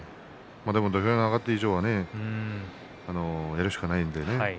土俵に上がった以上はねやるしかないんでね。